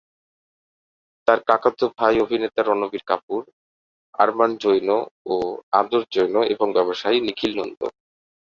তার কাকাতো ভাই অভিনেতা রণবীর কাপুর, আরমান জৈন ও আদর জৈন এবং ব্যবসায়ী নিখিল নন্দ।